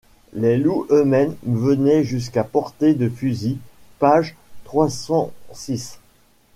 Les loups eux-mêmes venaient jusqu’à portée de fusil. .. page trois cent six.